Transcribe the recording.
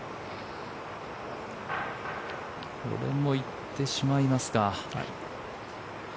これも行ってしまいますか。